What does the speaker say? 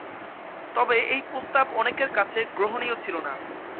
তবে এই প্রস্তাব অনেকের কাছে গ্রহণীয় ছিল না।